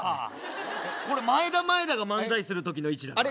これまえだまえだが漫才する時の位置だから。